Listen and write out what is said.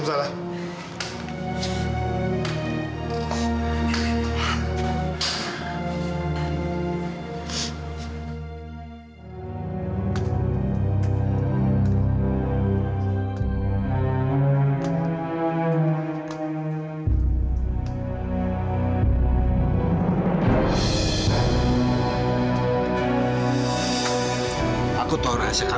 mas apa tidak cukup